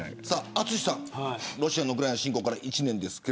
淳さん、ロシアのウクライナ侵攻から１年です。